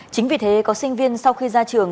chính vì thế có sinh viên sau khi ra trường